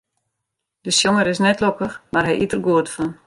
De sjonger is net lokkich, mar hy yt der goed fan.